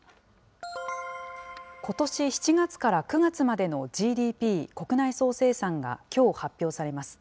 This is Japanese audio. ことし７月から９月までのＧＤＰ・国内総生産がきょう発表されます。